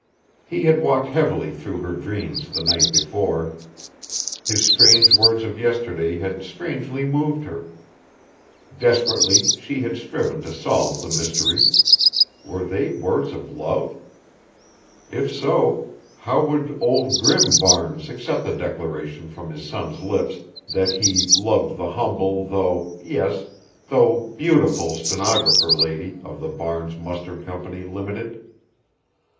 He had walked heavily through her dreams the night before. His strange words of yesterday had strangely moved her. Desperately she had striven to solve the mystery. Were they words of love? If so, how would Old Grim Barnes accept the declaration from his son's lips that he loved the humble though, yes, though beautiful stenographer lady of the Barnes Mustard Company, Limited?